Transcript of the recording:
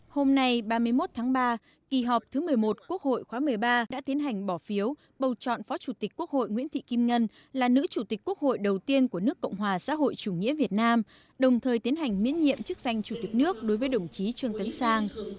hôm nay ba mươi một tháng ba kỳ họp thứ một mươi một quốc hội khóa một mươi ba đã tiến hành bỏ phiếu bầu chọn phó chủ tịch quốc hội nguyễn thị kim ngân là nữ chủ tịch quốc hội đầu tiên của nước cộng hòa xã hội chủ nghĩa việt nam đồng thời tiến hành miễn nhiệm chức danh chủ tịch nước đối với đồng chí trương tấn sang